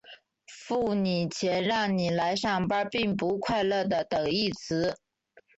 付你钱让你来上班并不快乐的等义词。